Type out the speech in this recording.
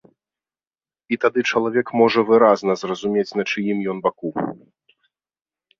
І тады чалавек можа выразна зразумець, на чыім ён баку.